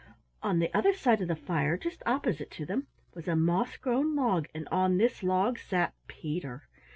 On the other side of the fire, just opposite to them, was a moss grown log, and on this log sat Peter.